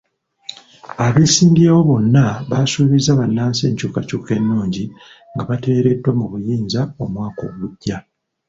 Abeesimbyewo bonna basuubiza bannansi enkyukakyuka ennungi nga bateereddwa mu buyinza omwaka ogujja.